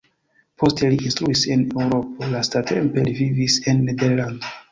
Poste li instruis en Eŭropo, lastatempe li vivis en Nederlando.